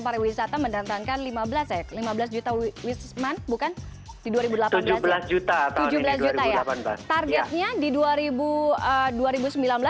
pariwisata mendatangkan lima belas ya lima belas juta wisman bukan di dua ribu delapan belas tujuh belas juta tahun ini dua ribu delapan belas targetnya itu apa ya